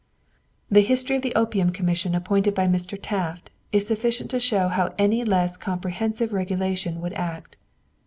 The history of the Opium Commission appointed by Mr. Taft is sufficient to show how any less comprehensive regulation would act.